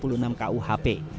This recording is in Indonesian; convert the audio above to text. karena tidak ada yang bisa dihukum